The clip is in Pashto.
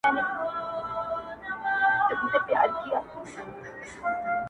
o زه قاسم یار چي تل ډېوه ستایمه,